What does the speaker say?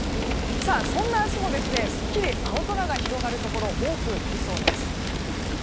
そんな明日もすっきり青空が広がるところ多くなりそうです。